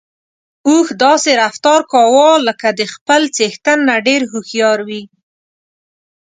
اوښ داسې رفتار کاوه لکه چې د خپل څښتن نه ډېر هوښيار وي.